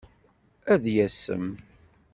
Ad yasem.